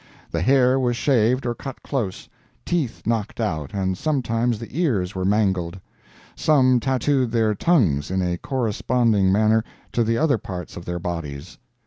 The hair was shaved or cut close, teeth knocked out and sometimes the ears were mangled. Some tattooed their tongues in a corresponding manner to the other parts of their bodies.